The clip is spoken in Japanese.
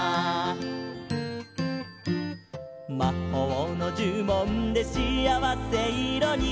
「魔法のじゅもんでしあわせいろに」